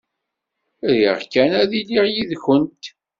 Riɣ kan ad iliɣ yid-went.